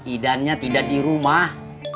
idannya tidak di rumah